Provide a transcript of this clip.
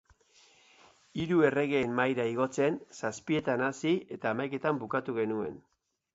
Hiru Erregeen Mahaira igotzen, zazpietan hasi, eta hamaiketan bukatu genuen.